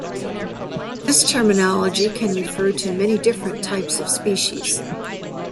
This terminology can refer to many different types of species.